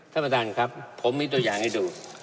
ท่านประธานครับผมมีตัวอย่างให้ดู